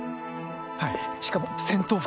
はいしかも戦闘服